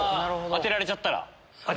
当てられちゃったら。